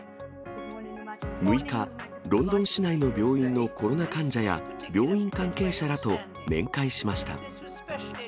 ６日、ロンドン市内の病院のコロナ患者や、病院関係者らと面会しました。